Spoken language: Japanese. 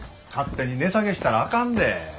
勝手に値下げしたらあかんで。